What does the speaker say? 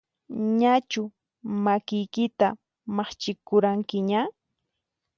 Ñachu makiykita maqchikuranqiña?